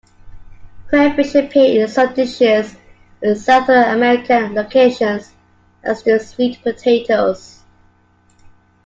Crayfish appear in some dishes in Southern American locations, as do sweet potatoes.